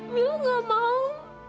mila gak mau